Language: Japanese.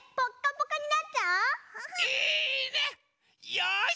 よし！